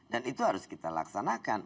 dan itu harus kita laksanakan